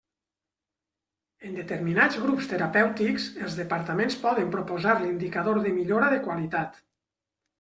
En determinats grups terapèutics, els departaments poden proposar l'indicador de millora de qualitat.